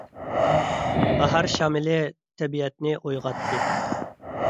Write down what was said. باھار شامىلى تەبىئەتنى ئويغاتتى.